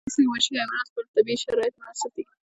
په افغانستان کې وحشي حیواناتو لپاره طبیعي شرایط مناسب دي.